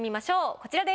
こちらです。